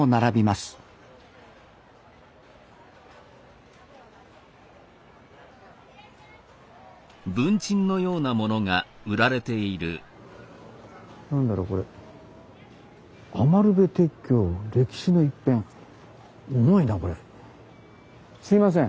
すいません。